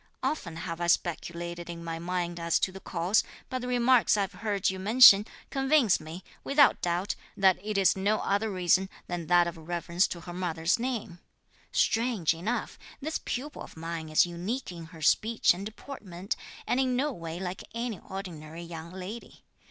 Often have I speculated in my mind (as to the cause), but the remarks I've heard you mention, convince me, without doubt, that it is no other reason (than that of reverence to her mother's name). Strange enough, this pupil of mine is unique in her speech and deportment, and in no way like any ordinary young lady.